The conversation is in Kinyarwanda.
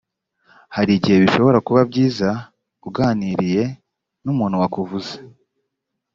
hari igihe bishobora kuba byiza uganiriye n umuntu wakuvuze